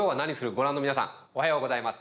ご覧の皆さん、おはようございます。